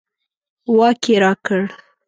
واک یې راکړ.